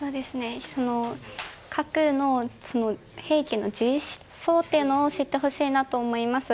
核の兵器の実相を知ってほしいなと思います。